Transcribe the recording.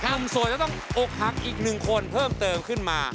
หนุ่มโสดจะต้องอกหักอีกหนึ่งคนเพิ่มเติมขึ้นมา